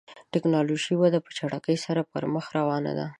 د ټکنالوژۍ وده په چټکۍ سره پر مخ روانه ده.